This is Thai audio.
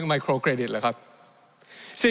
ในช่วงที่สุดในรอบ๑๖ปี